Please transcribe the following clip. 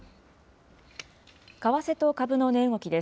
為替と株の値動きです。